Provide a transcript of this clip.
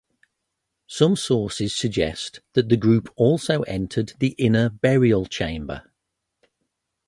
Some sources suggest that the group also entered the inner burial chamber.